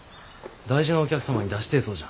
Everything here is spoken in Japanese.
大事なお客様に出してえそうじゃ。